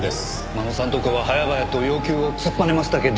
真野さんのとこは早々と要求を突っぱねましたけど。